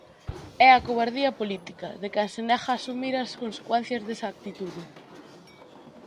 E a covardía política, de quen se nega a asumir as consecuencias desa actitude.